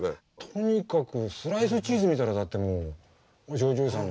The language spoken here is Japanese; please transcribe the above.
とにかくスライスチーズ見たらだってもうジョージおじさんの。